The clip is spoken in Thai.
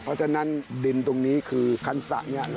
เพราะฉะนั้นดินตรงนี้คือคันสระเนี่ย